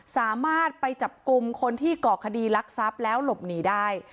สามารถไปจับกลุ่มคนที่ก่อคดีรักทรัพย์แล้วหลบหนีได้